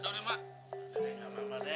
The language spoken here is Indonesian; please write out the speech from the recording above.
nih ngamak ngamak deh